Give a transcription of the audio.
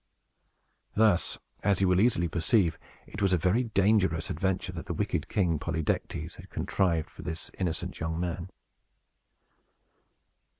Thus, as you will easily perceive, it was a very dangerous adventure that the wicked King Polydectes had contrived for this innocent young man.